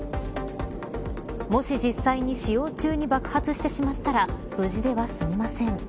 もし実際に使用中に爆発してしまったら無事では済みません。